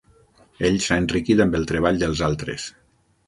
Ell s'ha enriquit amb el treball dels altres.